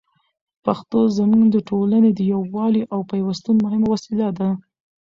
پښتو زموږ د ټولني د یووالي او پېوستون مهمه وسیله ده.